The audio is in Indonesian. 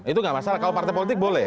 itu nggak masalah kalau partai politik boleh